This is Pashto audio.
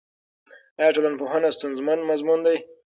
آیا ټولنپوهنه ستونزمن مضمون دی؟